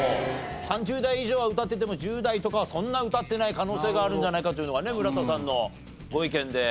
３０代以上は歌ってても１０代とかはそんな歌ってない可能性があるんじゃないかというのがね村田さんのご意見で。